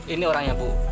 ini orangnya bu